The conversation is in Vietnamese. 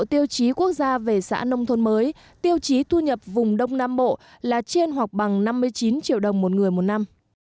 tiêu chí quốc gia về xã nông thôn mới tiêu chí thu nhập vùng đông nam bộ là trên hoặc bằng năm mươi chín triệu đồng một người một năm